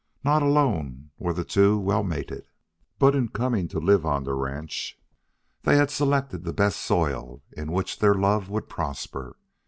Not alone were the two well mated, but in coming to live on the ranch they had selected the best soil in which their love would prosper.